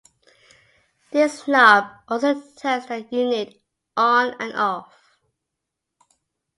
This knob also turns the unit on and off.